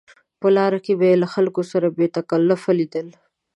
په لاره کې به یې له خلکو سره بې تکلفه لیدل.